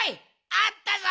あったぞ！